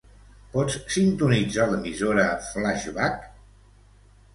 Pots sintonitzar l'emissora "Flaixbac"?